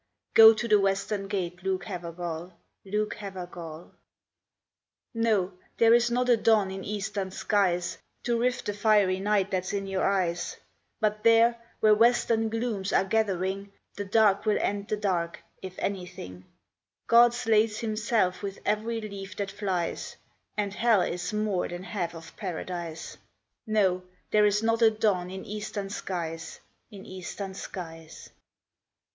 Go to the western gate, Luke Havergal Luke Havergal. No, there is not a dawn in eastern skies To rift the fiery night that's in your eyes; But there, where western glooms are gathering, The dark will end the dark, if anything: God slays Himself with every leaf that flies, And hell is more than half of paradise. No, there is not a dawn in eastern skies In eastern skies.